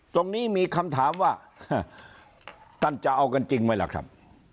ตรงนี้มีคำถามว่าท่านจะเอากันจริงไหมล่ะครับ